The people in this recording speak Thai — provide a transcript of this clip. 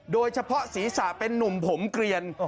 โดยเฉพาะศีรษะเป็นนุ่มผมเกลียน